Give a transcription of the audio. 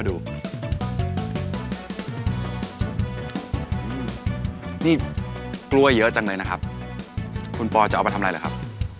ดีจังเลยนะครับ